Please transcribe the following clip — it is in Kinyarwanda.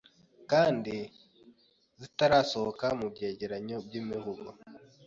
kandi zitarasohoka mu byegeranyo by'imivugo